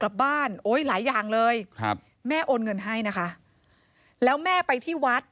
กลับบ้านโอ้ยหลายอย่างเลยครับแม่โอนเงินให้นะคะแล้วแม่ไปที่วัด